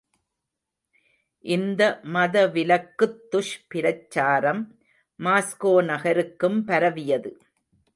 இந்த மதவிலக்குத் துஷ் பிரச்சாரம் மாஸ்கோ நகருக்கும் பரவியது.